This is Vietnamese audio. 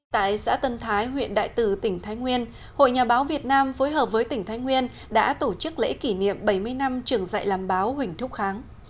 tại xã tân thái huyện đại tử tỉnh thái nguyên hội nhà báo việt nam phối hợp với tỉnh thái nguyên đã tổ chức lễ kỷ niệm bảy mươi năm trường dạy làm báo huỳnh thúc kháng